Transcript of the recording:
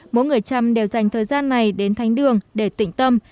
mỗi người trăm đều dành thời gian này đến thanh đường để tỉnh tâm